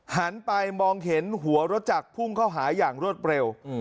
หันไปมองเห็นหัวรถจักรพุ่งเข้าหาอย่างรวดเร็ว